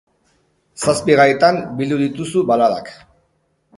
Zazpi gaitan bildu dituzu baladak.